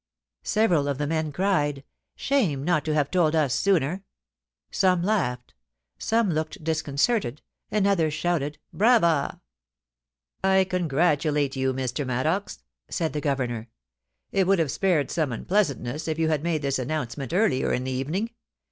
Several of the gentlemen cried, * Shame not to have told us sooner ;' some laughed ; some looked disconcerted, and others shouted ' Brava !' *I congratulate you, Mr. Maddox,' said the Governor. ' It would have spared some unpleasantness if you had made this announcement earlier in the evening.